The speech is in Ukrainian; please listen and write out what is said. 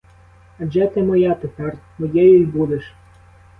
Адже ти моя тепер, моєю й будеш!